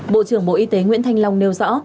bộ trưởng bộ y tế nguyễn thanh long nêu rõ